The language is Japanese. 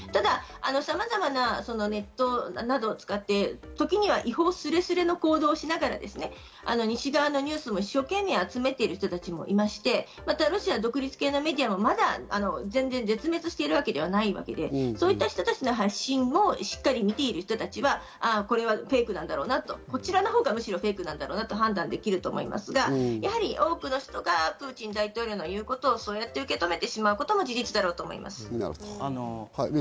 さまざまなネットなどを使って、時には違法すれすれの行動をしながら西側のニュースも一生懸命、集めている人たちもいまして、ロシア独立系のメディアはまだ絶滅しているわけではないので、そういった人たちの発信を見ている人たちはフェイクなんだろうなと、こちらのほうがフェイクなんだろうなと判断できると思うんですけど、多くの人がプーチン大統領の言うことをそうやって受け止めるのも事実だと思います。